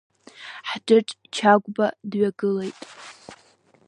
Хҿыҿ Чагәба дҩагылеит.